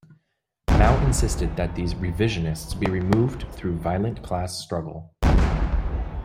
Mao insisted that these "revisionists" be removed through violent class struggle.